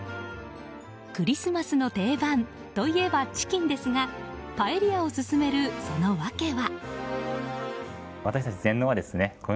クリスマスの定番といえばチキンですがパエリアを勧めるその訳は。